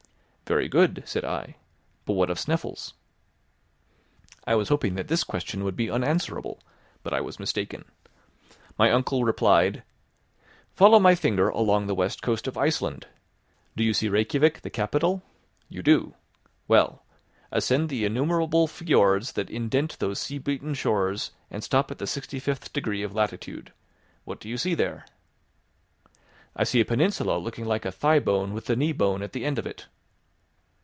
"Very good," said I; "but what of Sneffels?" I was hoping that this question would be unanswerable; but I was mistaken. My uncle replied: "Follow my finger along the west coast of Iceland. Do you see Rejkiavik, the capital? You do. Well; ascend the innumerable fiords that indent those sea beaten shores, and stop at the sixty fifth degree of latitude. What do you see there?" "I see a peninsula looking like a thigh bone with the knee bone at the end of it."